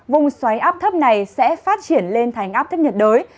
vùng xoáy áp thấp này sẽ phát triển lên thành áp thấp nhiệt đới